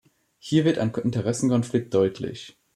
Hier wird ein Interessenkonflikt deutlich.